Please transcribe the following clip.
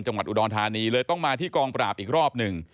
จังหวัดอุดรธานีเลยต้องมาที่กองปราบอีกรอบหนึ่ง